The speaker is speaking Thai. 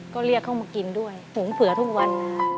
ก็เรียกเขามากินด้วยหุงเผื่อทุกวัน